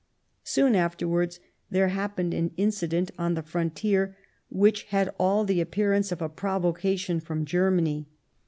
Soon afterwards there happened an incident on the frontier which had all the appearance of a provocation from Germany.